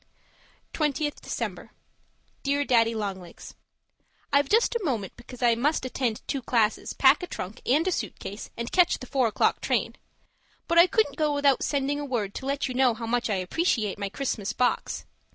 20th December Dear Daddy Long Legs, I've just a moment, because I must attend two classes, pack a trunk and a suit case, and catch the four o'clock train but I couldn't go without sending a word to let you know how much I appreciate my Christmas box.